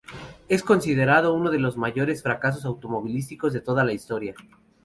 Es considerado uno de los mayores fracasos automovilísticos de toda la historia.